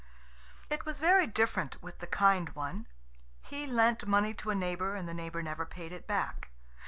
It was very different with the kind one. He lent money to a neighbour, and the neighbour never paid it back.